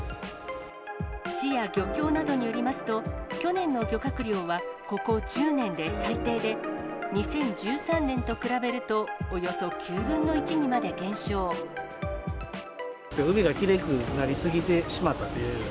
市や漁協などによりますと、去年の漁獲量は、ここ１０年で最低で、２０１３年と比べると、海がきれいくなりすぎてしまったという。